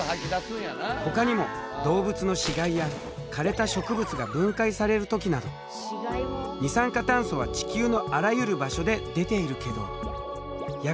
ほかにも動物の死骸やかれた植物が分解される時など二酸化炭素は地球のあらゆる場所で出ているけどやがて植物や海に吸収される。